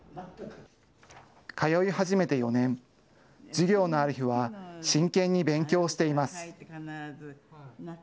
通い始めて４年、授業のある日は真剣に勉強しています。